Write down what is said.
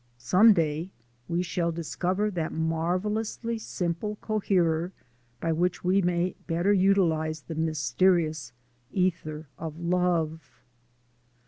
Some day we shall discover that marvellously simple coherer by which we may better utilize the mysterious ether of love.